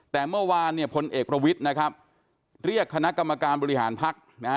แต่เมื่อวานเนี่ยพลเอกประวิทย์นะครับเรียกคณะกรรมการบริหารพักนะฮะ